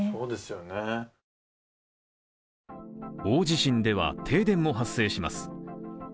大地震では、停電も発生します。